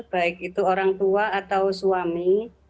baik itu orang tua atau suami